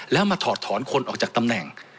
แล้วมาถอดถอนคนออกจากตำแหน่ง